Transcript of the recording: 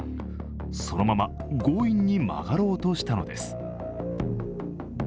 そのまま強引に曲がろうとしたのです。